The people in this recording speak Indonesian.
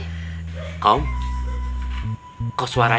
jalan dulu ya